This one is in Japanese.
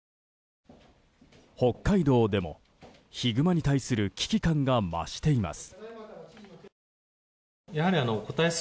北海道でもヒグマに対する危機感が増しています。